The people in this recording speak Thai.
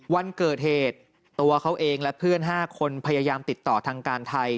วันเกิดเหตุตัวเขาเองและเพื่อน๕คนพยายามติดต่อทางการไทย